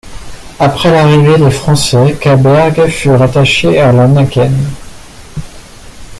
Après l'arrivée des Français, Caberg fut rattaché à Lanaken.